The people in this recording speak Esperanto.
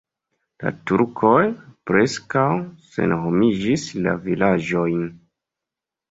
La turkoj preskaŭ senhomigis la vilaĝojn.